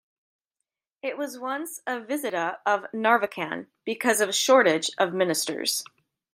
It was once a "visita" of Narvacan because of a shortage of ministers.